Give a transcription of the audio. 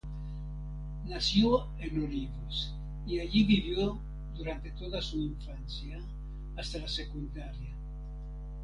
Nació en Olivos y allí vivió durante toda su infancia hasta la secundaria.